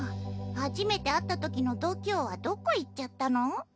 初めて会ったときの度胸はどこ行っちゃったの？